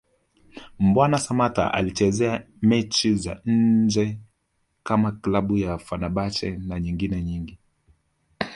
Mbwana Samata alichezea mechi za nje kama Klabu ya sasa Fenerbahce na nyengine nyingi